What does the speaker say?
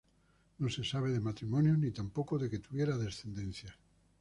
No se sabe de matrimonios ni tampoco de que tuviera descendencia.